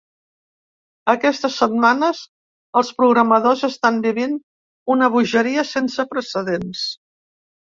Aquestes setmanes els programadors estan vivint una bogeria sense precedents.